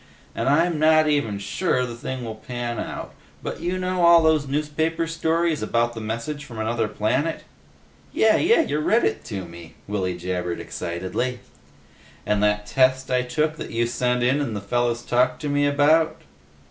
And I'm not even sure the thing will pan out, but you know all those newspaper stories about messages from another planet?" "Yeh! Yeh! Ya read it to me!" Willy jabbered excitedly. "And that test I took that you sent in and the fellas talked to me about?"